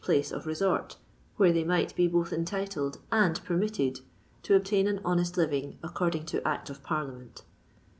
ice of resort, where they might be both enUtled and permitted to obtain an honest living aeeording to Act of Parliament.